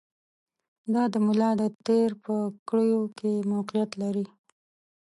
دا د ملا د تېر په کړیو کې موقعیت لري.